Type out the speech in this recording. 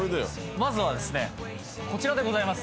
まずはですねこちらでございます。